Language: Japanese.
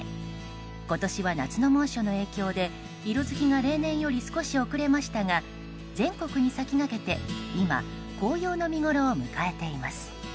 今年は夏の猛暑の影響で色づきが例年より少し遅れましたが全国に先駆けて、今紅葉の見ごろを迎えています。